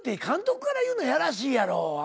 監督から言うのやらしいやろ。